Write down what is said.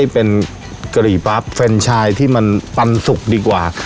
เป็นกะหรี่ปั๊บเฟรนชายที่มันปันสุกดีกว่า